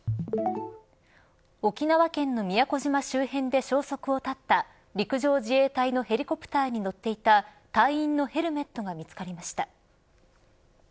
沖縄県の宮古島周辺で消息を絶った陸上自衛隊のヘリコプターに乗っていた隊員のヘルメットが見つかりました。